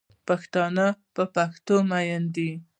پښتانه په پښتو میین دی